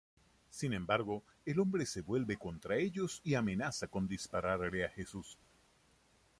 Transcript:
Sin embargo, el hombre se vuelve contra ellos y amenaza con dispararle a Jesús.